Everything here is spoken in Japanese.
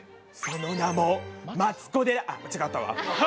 その名もマツコデあっ違ったわ。